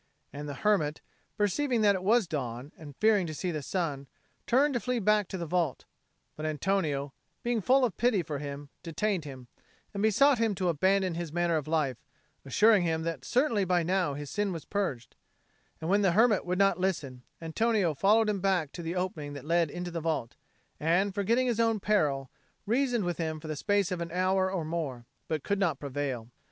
And the hermit, perceiving that it was dawn, and fearing to see the sun, turned to flee back to the vault; but Antonio, being full of pity for him, detained him, and besought him to abandon his manner of life, assuring him that certainly by now his sin was purged: and when the hermit would not listen, Antonio followed him back to the opening that led into the vault, and, forgetting his own peril, reasoned with him for the space of an hour or more, but could not prevail.